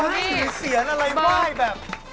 ก็มีเสียงอะไรบ้างแบบ